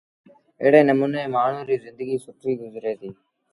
ايڙي نموٚني مآڻهوٚٚݩ ريٚ زندگيٚ سُٺيٚ گزري ديٚ۔